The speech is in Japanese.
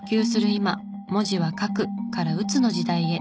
今文字は「書く」から「打つ」の時代へ。